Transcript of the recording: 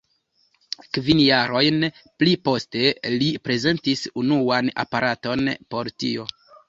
Kvin jarojn pli poste, li prezentis unuan aparaton por tio.